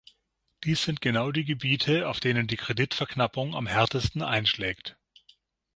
Dies sind genau die Gebiete, auf denen die Kreditverknappung am härtesten einschlägt.